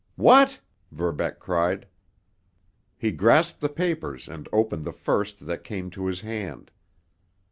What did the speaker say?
"What!" Verbeck cried. He grasped the papers and opened the first that came to his hand.